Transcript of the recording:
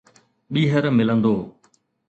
ٻيهر ملندو